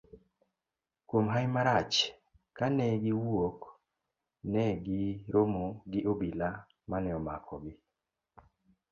Kuom hawi marach, kane giwuok, negi romo gi obila mane omakogi.